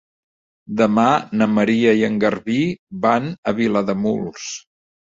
Demà na Maria i en Garbí van a Vilademuls.